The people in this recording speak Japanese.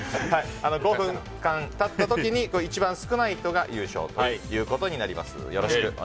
５分経った時に一番少ない人が優勝となります。